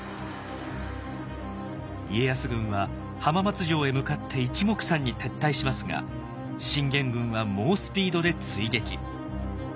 家康軍は浜松城へ向かっていちもくさんに撤退しますが信玄軍は猛スピードで追撃。